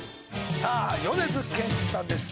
さあ米津玄師さんです。